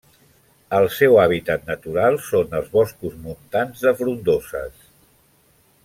El seu hàbitat natural són els boscos montans de frondoses.